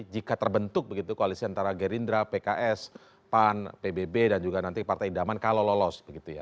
jika terbentuk begitu koalisi antara gerindra pks pan pbb dan juga nanti partai idaman kalau lolos